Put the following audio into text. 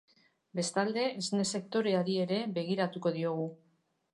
Bestalde, esne sektoreari ere begiratuko diogu.